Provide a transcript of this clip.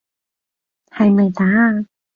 係咪打啊？